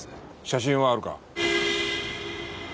写真はあるか？